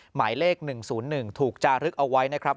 หมายเลข๑๐๑ถูกจารึกเอาไว้นะครับ